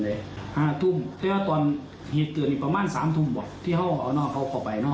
นั้นตอนเฮียดเกิดว่าประมาณ๓ทั่วที่เขาเอาน้องเขาเผาไปนะคะ